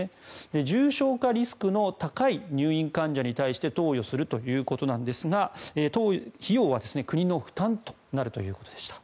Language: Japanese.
重症化リスクの高い入院患者に対して投与するということなんですが費用は国の負担となるということでした。